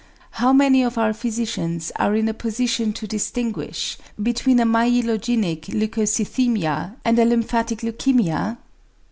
How many of our physicians are in a position to distinguish between a myelogenic leukocythæmia and a lymphatic leukæmia?